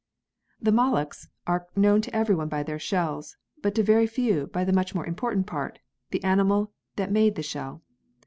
The molluscs are known to everyone by their shells, but to very few by the much more important part the animal that made the shell.